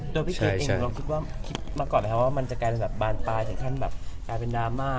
โดยพี่คิดเองคิดมาก่อนมั้ยครับว่ามันจะกลายเป็นดราม่า